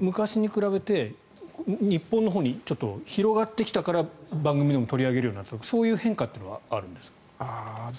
昔に比べて日本のほうにちょっと広がってきたから番組でも取り上げるようになったとかそういう変化はあるんですか？